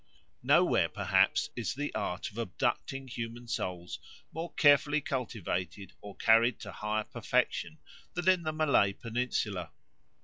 Nowhere perhaps is the art of abducting human souls more carefully cultivated or carried to higher perfection than in the Malay Peninsula.